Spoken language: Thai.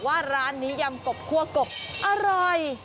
ว่าร้านนี้ยำกบคั่วกบอร่อย